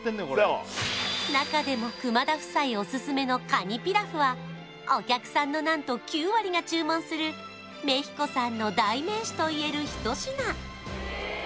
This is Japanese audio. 中でも熊田夫妻オススメのカニピラフはお客さんの何と９割が注文するメヒコさんの代名詞といえる一品